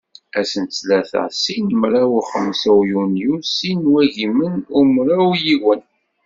Ass n ttlata sin mraw u xemsa yunyu sin n wagimen u mraw yiwen.